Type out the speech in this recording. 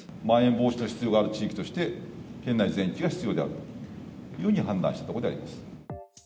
まん延防止の適用の必要がある地域として、県内全域が必要であるというふうに判断したところであります。